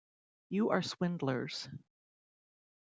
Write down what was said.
You are swindlers.